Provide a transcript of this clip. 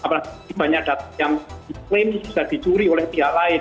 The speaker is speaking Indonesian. apalagi banyak data yang di claim bisa dicuri oleh pihak lain